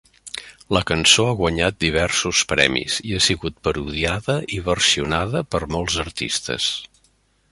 La cançó ha guanyat diversos premis, i ha sigut parodiada i versionada per molts artistes.